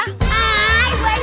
hai bu endang